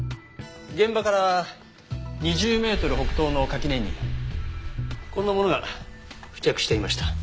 現場から２０メートル北東の垣根にこんなものが付着していました。